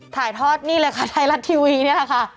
ถ่ายทอดนี่เลยค่ะไทยรัฐทีวีนี่แหละค่ะ